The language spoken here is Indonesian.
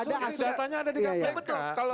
asumsi katanya ada di kpk